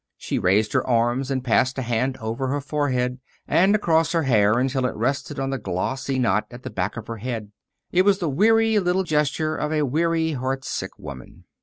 She raised her arms and passed a hand over her forehead and across her hair until it rested on the glossy knot at the back of her head. It was the weary little gesture of a weary, heart sick woman.